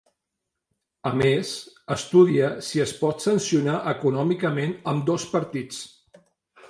A més, estudia si es pot sancionar econòmicament ambdós partits.